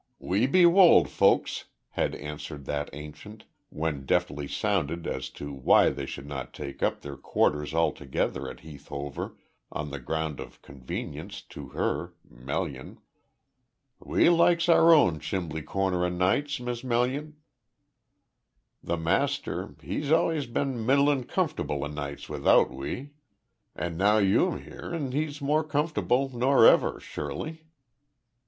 "We be wold folks," had answered that ancient, when deftly sounded as to why they should not take up their quarters altogether at Heath Hover on the ground of convenience to her Melian. "We likes our own chimbley corner o' nights, Miss Melun. The master, he's allus been middlin' cumferble o' nights without we. And now you'm here and he's more cumferble nor ever sure lye."